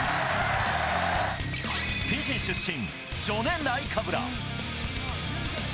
フィジー出身、ジョネ・ナイカブラ。